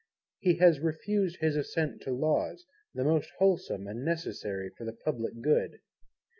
He has refused his Assent to Laws, the most wholesome and necessary for the public good.